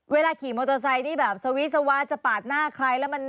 เวลาขี่มอเตอร์ไซค์นี่แบบวิศวะเเถอะ๐